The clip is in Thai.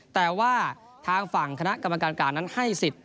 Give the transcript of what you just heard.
แต่ว่าทางฝั่งคณะกรรมการการนั้นให้สิทธิ